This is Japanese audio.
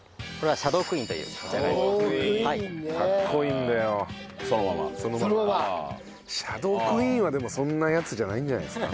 シャドークイーンはでもそんなヤツじゃないんじゃないですか？